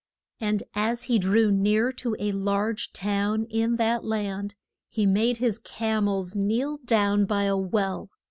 And as he drew near to a large town in that land he made his cam els kneel down by a well.